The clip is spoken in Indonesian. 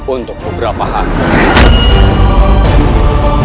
untuk beberapa hari